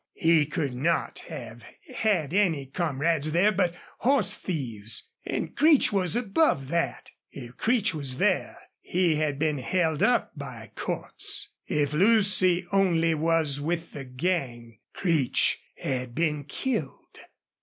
No, he could not have had any comrades there but horse thieves, and Creech was above that. If Creech was there he had been held up by Cordts; if Lucy only was with the gang, Creech had been killed.